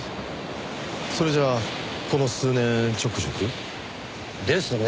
それじゃあこの数年ちょくちょく？ですね。